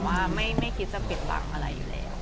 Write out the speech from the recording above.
ว่าไม่คิดจะปิดบังอะไรอยู่แล้ว